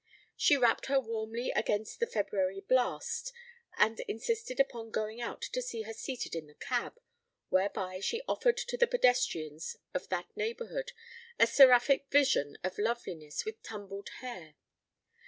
She wrapped her warmly against the February blast, and insisted upon going out to see her seated in the cab, whereby she offered to the pedestrians of that neighbourhood a seraphic vision of loveliness with tumbled hair.